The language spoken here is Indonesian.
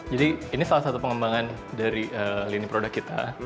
jadi ini salah satu pengembangan dari lini produk kita